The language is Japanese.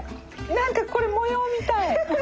何かこれ模様みたい。